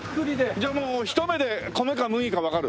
じゃあ一目で米か麦かわかる？